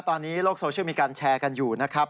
ตอนนี้โลกโซเชียลมีการแชร์กันอยู่นะครับ